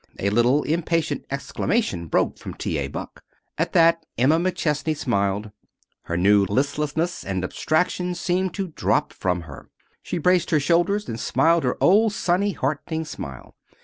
A little impatient exclamation broke from T. A. Buck. At that Emma McChesney smiled. Her new listlessness and abstraction seemed to drop from her. She braced her shoulders, and smiled her old sunny, heartening smile.